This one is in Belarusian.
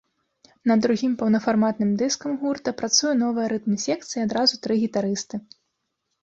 Над другім паўнафарматным дыскам гурта працуе новая рытм-секцыя і адразу тры гітарысты.